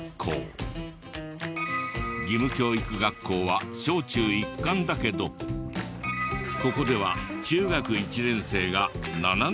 義務教育学校は小中一貫だけどここでは中学１年生が７年生と呼ばれる。